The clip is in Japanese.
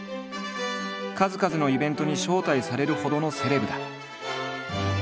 数々のイベントに招待されるほどのセレブだ。